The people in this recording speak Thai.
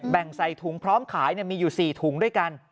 แบ่งใส่ถุงพร้อมขายเนี่ยมีอยู่๔ถุงด้วยกัน